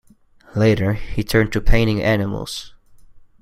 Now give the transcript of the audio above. Later he turned to painting animals.